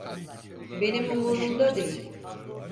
Benim umurumda değil.